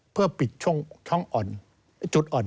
เพื่อปิดช่องจุดอ่อน